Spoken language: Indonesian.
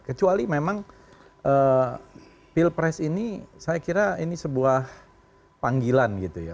kecuali memang pilpres ini saya kira ini sebuah panggilan gitu ya